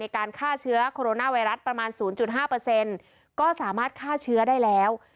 การฆ่าเชื้อโคโรนาไวรัสประมาณ๐๕ก็สามารถฆ่าเชื้อได้แล้ว